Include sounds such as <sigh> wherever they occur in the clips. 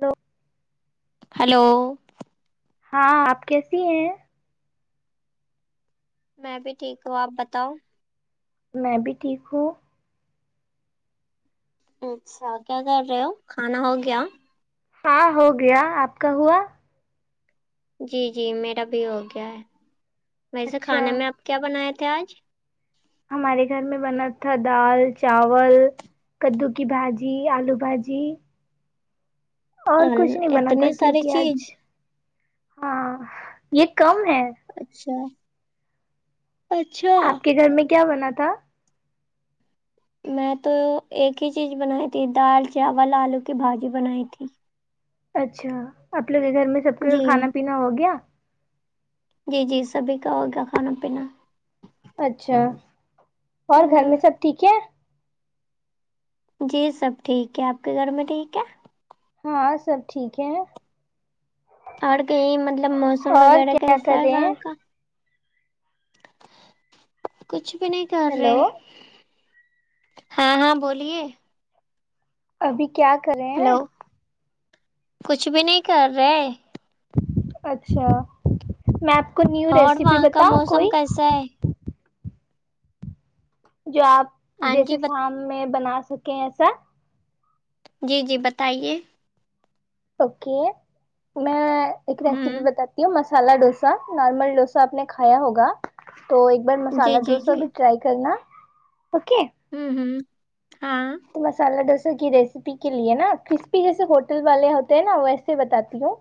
تو ہلو ہاں آپ کیسی ہیں میں بھی ٹھیک ہوں آپ بتاؤ میں بھی ٹھیک ہوں اچھا کیا کر رہے ہو کھانا ہو گیا ہاں ہو گیا آپ کا ہوا جی جی میرا بھی ہو گیا ہے ویسے اچھا کھانے میں آپ کیا بنائے تھے آج ہمارے گھر میں بنا تھا دال چاول کدو کی بھاجی آلو بھاجی اور کچھ نہیں بنا تھا اتنی ساری کیوںکہ آج چیز ہاں یہ کم ہے اچھا اچھا آپ کے گھر میں کیا بنا تھا میں تو ایک ہی چیز بنائی تھی دال چاول آلو کی بھاجی بنائی تھی اچھا آپ لوگ کے گھر میں سب کا جی کھانا پینا ہو گیا جی جی سبھی کا ہوگا کھانا پینا اچھا اور گھر ہ میں سب ٹھیک ہے جی سب ٹھیک ہے آپ کے گھر میں ٹھیک ہے ہاں سب ٹھیک ہے اور کہیں مطلب موسم اور وغیرہ کیا کر کیسا ہے رہے وہاں ہیں کا کچھ بھی نہیں کر ہیلو رہے ہاں ہاں بولیے ابھی کیا کرے ہیں ہلو کچھ بھی نہیں کر رہے اچھا میں آپ کو نیو ریسیپی بتاؤں کوئی چ <inaudible> جو آپ ہاں جی جیسے بت... شام میں بنا سکیں ایسا جی جی بتائیے اوکے میں ایک ہوں ریسیپی بتاتی ہوں مست سالا ڈوسا نارمل ڈوسا آپ نے کھایا ہوگا تو ایک جی مسالا جی ڈوسا جی بھی ٹرائی کرنا اوکے ہوں ہوں ہاں تو مسالہ ڈوسا کی ریسیپی کے لیے نا کرسپی جیسے ہوٹل والے ہوتے ہیں نا ویسے بتاتی ہوں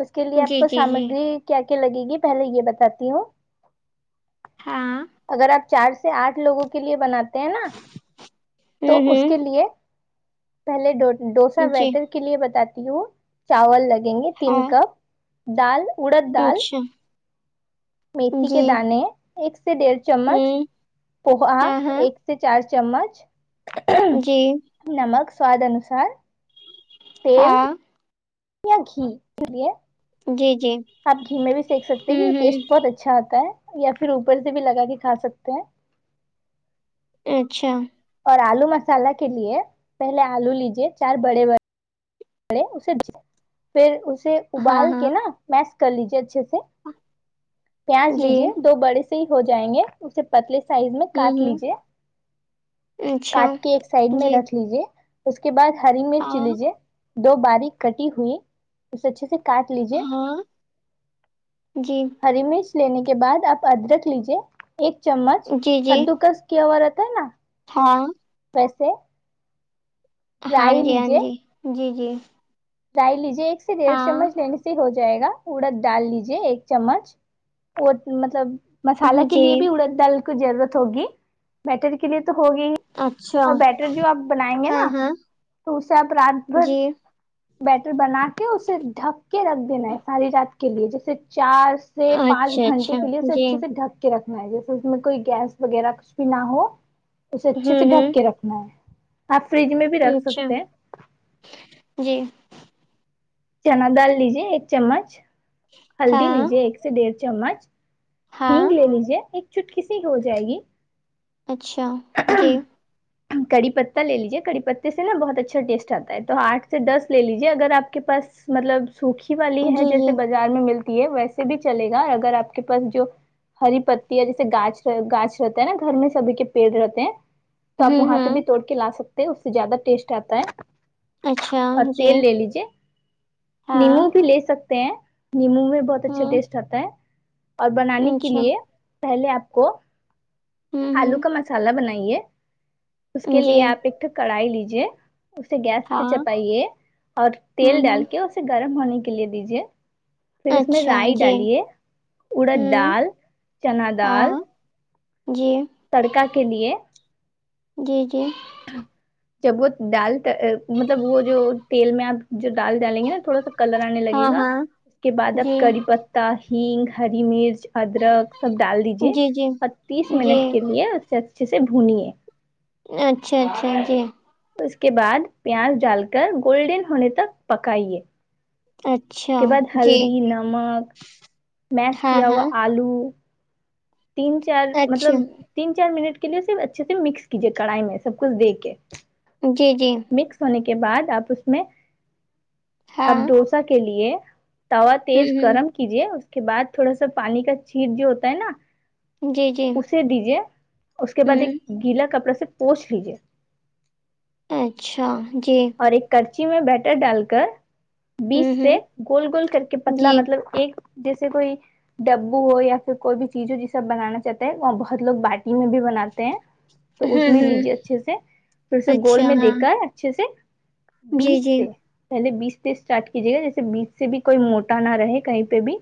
اس کے لیے آپ جی کو جی جی سامگری کیا کیا لگے گی پہلے یہ بتاتی ہوں ہاں اگر آپ چار سے آٹھ لوگوں کے لیے بناتے ہیں نا تو ہوں اس کے ہوں لیے پہلے ڈوسا جی بیٹر کے لیے بتاتی ہوں چاول لگیں گے تین ہاں کپ دال اڑد دال اچھا میتھی کے جی دانے ایک سے ڈیڑھ چمچ ہوں پوہا ہاں ہاں ایک چار چمچ جی نمک سواد انوسار تیل ہاں یا گھی کے لیے جی جی آپ گھی میں بھی سینک سکتے ہیں کہ ہوں ہوں ٹیسٹ بہت اچھا آتا ہے یا پھر اوپر سے بھی لگا کےکھا سکتے ہیں اچھا اور آلو مسالہ کے لیے پہلے آلو لیجے چار بڑے بڑے ے اسے پھر اسے ہاں ابال کے ہاں نا میس کر لیجے اچھے سے پیاز جی لیجے دو بڑے سے ہی ہو جائیں گے اسے پتلے سائز میں ہوں کاٹ ہوں لیجیے اچھا کاٹ کے ایک سائڈ میں جی رکھ لیجیے اس کے بعد ہری مرچ ہاں لیجیے دو بارک کٹی ہوئی اسے اچھے سے کاٹ لیجیے ہاں جی ہری مرچ لینے کے بعد آپ ادرک لیجیے ایک چمچ جی جی کدو کس کیا ہوا رہتا ہے نا ہاں ویسے ہاں رائی جی ہاں جی جی جی ڈائی لیجیے ایک سے ڈیھ ہاں چمچ لےنے ہو جائے گا اڑد ڈال لیجے ایک چمچ وہ مطلب مسالہ کے جی لیے بھی اڑد دال کو ضرورت ہوگی بیٹر کے لیے تو ہوگی اچھا اور بیٹر جو آپ بنائیں گے ہاں نا ہاں تو اس سے آپ رات بھر جی بیٹر بنا کے اسے ڈھک کے رکھ دینا ہے ساری رات کے لیے جیسے چار سے پانچ اچھا اچھا گھنٹے کے لیے اسے جی اچھے سے ڈھک کے رکھنا ہے جیسے اس میں کوئی گیس وغیرہ کچھ بھی نہ ہو اسے اچھے سے ہوں ڈھک ہوں کے رکھنا ہے آپ فریج میں بھی رکھ اچھا سکتے ہیں جی چنا دال لیجے ایک چمچ ہلدی ہاں لیجے ایک سے ڈیڑھ چمچ ہگ ہاں لے لیجے ایک چٹکیسیی ہو جائے گی اچھا جی کڑی پتہ لے لیجیے کڑی پتے سے نا بہت اچھا ٹیسٹ آتا ہے تو آٹھ سے دس لے لیجیے اگر آپ کے پاس مطلب سوکھی والی ہے جی جی جیسے با ہزار میں ملتی ہے ویسے بھی چلے گا اگر آپ کے پاس جو ہری پتی جیسے گاچ گاچ رہتا ہے نا گھر میں سبھی کے پیڑ رہتا تو آپ ہوں وہاں سے بھی ہوں توڑ کے لا سکتے ہیں اس سے زیادہ ٹیسٹ آتا ہے اچھا اور جی تیل لے لیجیے ہاں نیمبو بھی لے سکتے نیمو میں بہت اچھا ہوں ٹیسٹ آتا ہے اور بنانے کے اچھا لیے پہلے آپ کو ہوں آلو ہوں کا مسالہ بنائیے اس کے جی لیے آپ ایک کڑھائی لیجیے اسے گیس پہ ہاں چٹائے اور ہوں تیل ہوں ڈال کے اسے گرم ہونے کے لیے دیجیے پھر اس میں اچھا رائی جی ڈالیے اڑد ہوں ڈال چنا دال ہاں جی تڑکا کے لیے جی جی جب وہ ڈال مطلب وہ جو تیل میں آپ جو ڈال ڈالیں گے نا تھوڑا سا کلر آنے ہاں لگے گا ہاں اس کے بعد اب جی کری پتا ہگ ہری مرچ ادرک سب ڈال دیجے جی جی اور تیس جی منٹ کے لیے اسے اچھے سے بھنیے اچھا اچھا جی اس کے بعد پیاز ڈال کر گولڈن ہونے تک پکائیے اس اچھا کے بعد جی ہلدی نمک میس ہاں کیا ہاں ہوا آلو تین چار اچھا مطلب تین چار منٹ کے لیے صرف اچھے سے مکس کیجیے کڑھائی میں سب کچھ دے کے جی جی مکس ہونے کے بعد آپ اس میں ہاں آپ ڈوسا کے لیے توا ہوں تیز گرم ہوں کیجے اس کے بعد تھوڑا سا پانی کا چھیٹ جو ہوتا ہے نا جی جی سے دیجیے اس کے بعد ہوں ایک گیلا کپڑا سے پوچھ لیجیے اچھا جی اور ایک کرچی میں بیٹر ڈال کر بیس ہوں سے ہوں گول گول کر کے پتلا جی مطلب ایک جیسے کوئی ڈبو ہو یا پھر کوئی بھی چیز ہو جس سے سب بنانا چاہتا ہے وہاں بہت لوگ باٹھی میں بھی بناتے ہیں تو اس ہوں میں ہوں لیجے اچھے سے پھر اسے گول اچھا میں ہاں دیک کر اچھے سے جی بیچ جی پے پہلے بیچ سے اسٹارٹ کیجیے گا جیسے بیچ سے بھی کوئی موٹا نہ رہے کہیں پہ بھی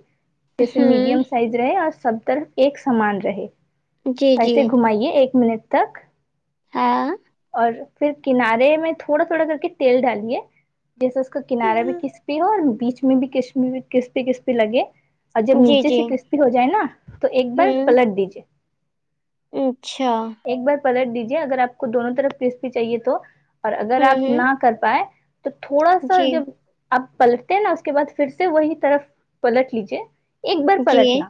جیسے ہوں میڈیم سائز رہے اور سب طرف ایک سامان رہے جی جی ویسے گھمائیے ایک منٹ تک ہاں اور پھر کنارے میں تھوڑا تھوڑا کر کے تیل ڈالیے جیسے اس کا کنارہ بھی کسپی ہو اور بیچ میں بھی کسپی پی کسپی لگے اور جب جی نیچے جی سے کرسپی ہو جائے نا تو ایک بار ہوں پلٹ دیجے اچھا ایک بار پلٹ دیجیے اگر آپ کو دونوں طرف کرسپی چاہیے تو اور اگر ہوں آپ ہوں نہ کر پائے تو تھوڑا سا جی جب آپ پلٹتے ہیں نا اس کے بعد پھر سے وہی طرف پلٹ لیجیے ایک بار جی پلٹنا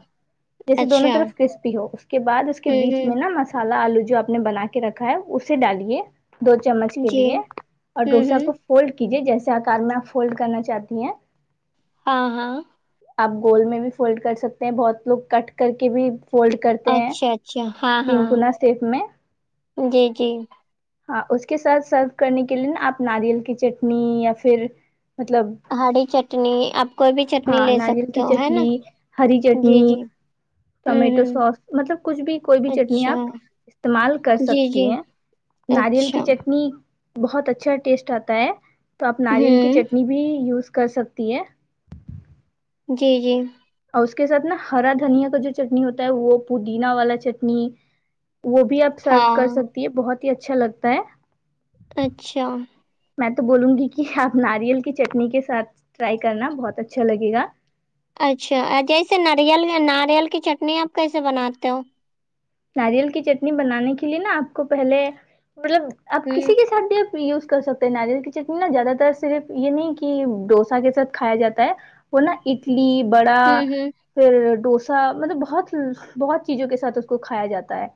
جیسے دونوں اچھا ہوں طرف کرسپی ہو اس کے بعد اس کے بیچ ہوں میں نا مسالا آلو جو آپ نے بنا کے رکھا ہے اسے ڈالیے دو چمچ کے جی لیے اور ہوں ڈوسا ہوں کو فولڈ کیجیے جیسے آکار میں آپ فولڈ کرنا چاہتی ہیں ہاں ہاں آپ گول میں بھی فولڈ کر سکتے ہیں بہت لوگ کٹ کر کے بھی فولڈ کرتے ہیں اچھا اچھا ہاں ہاں تنکنا اسٹیٹ میں جی جی ہاں اس کے ساتھ سرف کرنے کے لیے نا آپ ناریل کی چٹنی یا پھر مطلب ہری چٹنی آپ کوئی بھی چٹنی ہاں لے ناریل سکتے کی ہو ہے نا چٹنی جی جی ہوں ٹومیٹو ہوں سوس مطلب کچھ بھی کوئی بھی چٹنی اچھا آپ استعمال کر جی سکتی جی ہیں ناریل اچھا کی چٹنی بہت اچھا ٹیسٹ آتا ہے تو آپ ناریل کی ہوں چٹنی بھی یوز کر سکتی ہے جی جی اور اس کے ساتھ نا ہرا دھنیا کا جو چٹنی ہوتا ہے وہ پودینہ والا چٹنی وہ بھی آپ سرف کر ہاں سکتی ہے بہت ہی اچھا لگتا ہے اچھا میں تو بولوں گی کہ آپ ناریل کی چٹنی کے ساتھ ٹرائی کرنا بہت اچھا لگے گا اچھا جیسے ناریل ناریل کی چٹنی آپ کیسے بناتے ہو ناریل کی چٹنی بنانے کے لیے نا آپ کو پہلے مطلب آپ ہوں کسی کے ساتھ ب یوز کر سکتے ہیں ناریل کی چٹنی نا زیادہ تر صرف یہ نہیں کی ڈوسا کے ساتھ کھایا جاتا ہے وہ نا اٹلی بڑا ہوں ہوں پھر ڈوسا مطلب بہت بہت چیزوں کے ساتھ اس کو کھایا جاتا ہے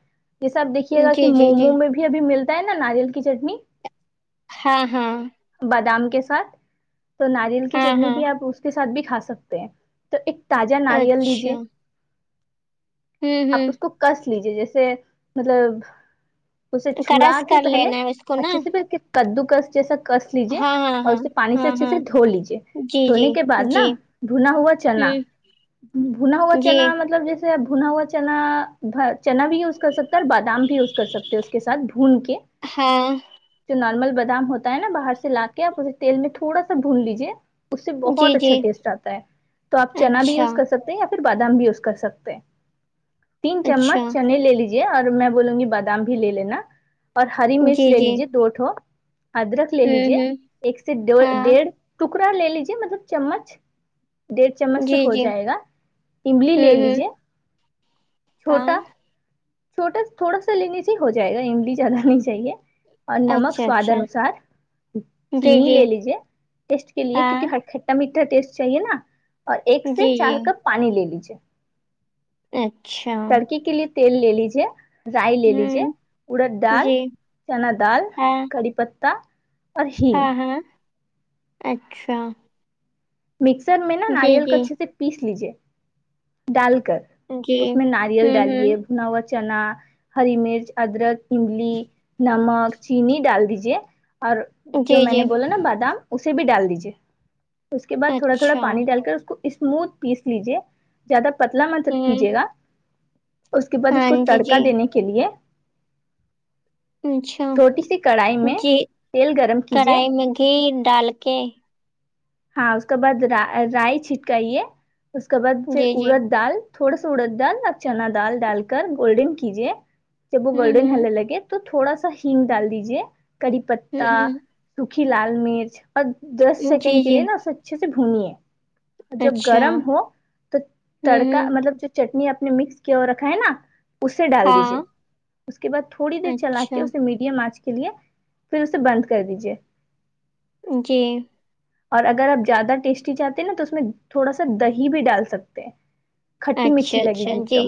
جیسا آپ دیکھیے گا کہ جی جی جی مومو میں بھی ابھی ملتا ہے نا ناریل کی چٹنی ہاں ہاں بادام کے ساتھ تو ناریل کی ہاں چٹنی ہاں بھی آپ اس کے ساتھ بھی کھا سکتے ہیں تو ایک تازہ ناریل لیجے ہم ہم کس لیجے جیسے مطلب اسے چھڑا کرس کے کر پہلے لینا ہے اس کو نا اچھے سے پھر کدوکس جیسا کس لیجیے ہاں ہاں اور ہاں اسے پانی سے ہاں اچھے ہاں سے دھو لیجے جی جی دھونے کے بعد نا جی بھونا ہوا چنا ہوں بھونا ہوا جی چنا مطلب جیسے سے بھونا ہوا چنا چنا بھی یوز کر سکتا ہے اور بادام بھی یوز کر سکتے ہیں اس کے ساتھ بھون کے ہاں جو نارمل بادام ہوتا ہے نا باہر سے لا کے آپ تیل میں تھوڑا سا بھون لیجیے اس سے جی بہت اچھا جی ٹیسٹ آتا ہے تو آپ چنا بھی اچھا یوز کر سکتے ہیں یا پھر بادام بھی یوز کر سکتے ہیں تین اچھا چمچ چنے لے لیجے اور میں بولوں گی بادام بھی لے لینا اور ہری مرچ جی لے جی لیجے دوٹھو ادرک لے ہوں لیجے ہوں ایک سے ڈے ہاں ڈیھ ٹکڑا لے لیجیے مطلب چمچ ڈیڑھ چمچ سے جی ہو جی جائے گا املی لے ہوں ہوں لیجے ہاں چھوٹا چھوٹا تھوڑا سا لیج ہی ہو جائے گا املی زیادہ نہیں چاہیے اور نمک اچھا سواد اچھا انوسار جی چینی جی لے لیجے ٹیسٹ کے لیے ہاں کیونکہ ہ میٹھا ٹیسٹ چاہیے نا اور ایک جی سے جی چار کپ پانی لے لیجیے اچھا تڑکے کے لیے تیل لے لیجیے رائی لے لیجے ہوں اڑد ڈال جی چنا دال ہاں کری پتا اور ہینگ ہاں ہاں اچھا مکسر میں نا جی ناریل کا جی اچھے سے پیس لیجیے ڈال کر جی اس میں ناریل ہوں ڈالیے ہوں بھنا ہوا چنا ہری مرچ ادرک املی نمک چینی ڈال دیجیے اور جو جی میں نے جی بولا نا بادام اسے بھی ڈال دیجیے اس کے بع تھوڑا تھوڑا اچھا پانی ڈال کر اس کو اسموتھ پیس لیجے زیادہ پتلا مت ہوں کیجیے گا اس کے بعد اس ہاں کو جی تڑکا جی دینے کے لیے اچھا چھوٹی سی کڑھائی میں تیل گرم کیجے کھیر ڈال کے ہاں اس کے بعد رائی چھٹکائیے اس کے بعد پھر جی جی اڑد دال تھوڑا سا اڑد ڈال اور چنا دال ڈال کر گولڈن کیجیے جب وہ ہوں گولڈن ہوں ہونے لگے تو تھوڑا سا ہگ ڈال دیجے کری پتا ہوں سوکھی لال مرچ دس ہوں جی سیکنڈ کے جی لیے نا اچھے سے بھنی ہے جب اچھا گرم ہوں ہو تو تڑکا ہوں مطلب جو چٹنی اپ نے مکس کی اور رکھا ہے نا اسے ڈال دیجے ہاں اس کے بعد تھوڑی دیر چلا کے اچھا اسے میٹ کے لیے پھر اسے بند کر دیجیے <unintelligible> جی اور اگر آپ زیادہ ٹیسٹی چاہتے ہیں نا تو اس میں تھوڑا سا دہی بھی ڈال سکتے ہیں کھٹی میٹھی اچھا لگے اچھا گی ایک جی دم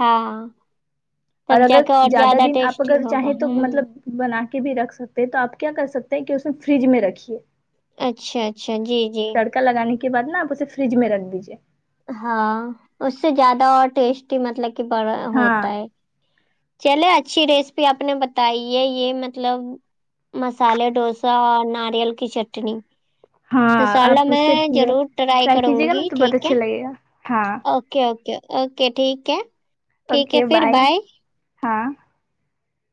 ہاں اور تب جا اگر کے زیادہ دن آپ ٹیسٹی اگر ہوگا چاہیں تو ہوں مطلب بنا کے بھی رکھ سکتے تو آپ کیا کر سکتے ہیں کہ اس میں فریج میں رکھیے اچھا اچھا جی جی ا لگان کے بع نا آپ اسے فریج میں رکھ دیجیے ہاں اس سے زیادہ اور ٹیسٹی مطلب کہ بڑا ہاں ہوتا ہے چلے اچھی ریسپی آپ نے بتائی ہے یہ مطلب مسالے ڈوسا اور ناریل کی چٹنی ہاں انشاء اللہ آپ اس سے میں ضرور ٹرائی کروں کیجیے گا نا گی تو بہت ٹھیک ہے اچھا لگے گا ہاں اوکے اوکےکے اوکے ٹھیک ہے ٹھیک اوکے ہے پھر بائے ہاں